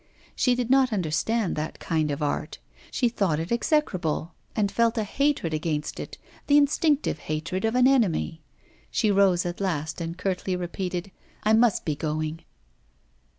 She did not understand that kind of art; she thought it execrable, and felt a hatred against it, the instinctive hatred of an enemy. She rose at last, and curtly repeated, 'I must be going.